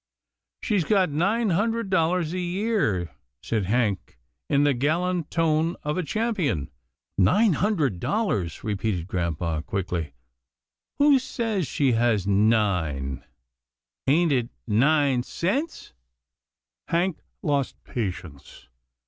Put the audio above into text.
" She's got nine hundred dollars a year," said Hank in the gallant tone of a champion. " Nine hundred dollars," repeated grampa, HANK BREAKS IMPORTANT NEWS 317 quickly, " who says she has nine ? Ain't it nine cents?" Hank lost patience.